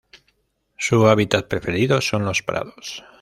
Su hábitat preferido son los prados.